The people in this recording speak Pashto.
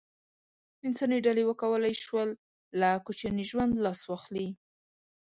انساني ډلې وکولای شول له کوچیاني ژوند لاس واخلي.